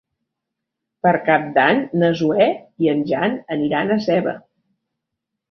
Per Cap d'Any na Zoè i en Jan aniran a Seva.